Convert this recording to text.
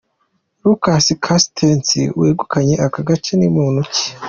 Lucas Carstensen wegukanye aka gace ni muntu ki?.